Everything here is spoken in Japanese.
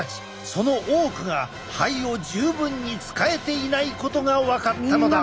その多くが肺を十分に使えていないことが分かったのだ。